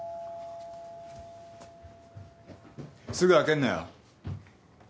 すぐ開けんなよ。